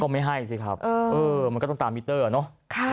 ไม่ให้สิครับมันก็ต้องตามมิเตอร์เนอะ